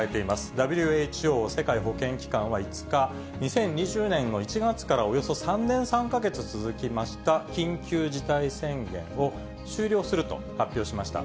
ＷＨＯ・世界保健機関は５日、２０２０年の１月からおよそ３年３か月続きました緊急事態宣言を終了すると発表しました。